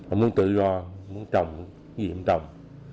ông luôn tự do muốn trồng gì cũng trồng